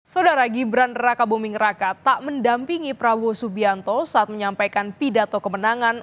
saudara gibran raka buming raka tak mendampingi prabowo subianto saat menyampaikan pidato kemenangan